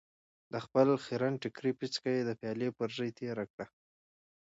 د خپل خيرن ټکري پيڅکه يې د پيالې پر ژۍ تېره کړه.